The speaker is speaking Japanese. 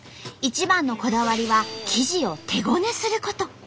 一番のこだわりは生地を手ごねすること。